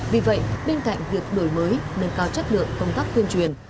vì vậy bên cạnh việc đổi mới nâng cao chất lượng công tác tuyên truyền